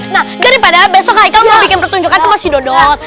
nah garipada besok kak ika mau bikin pertunjukan ke mas si dodot